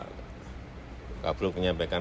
pak blok menyampaikan